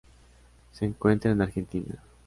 Se encuentra en Argentina.